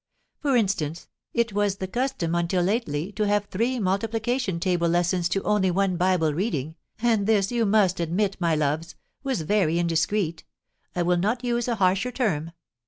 For instance, it was the custom until lately to have three multiplication table lessons to only one Bible reading; and this, you must admit, my loves, was very indiscreet—I will not use a harsher term.